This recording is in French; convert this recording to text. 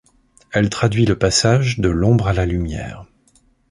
Elle traduit le passage de l’ombre à la lumière.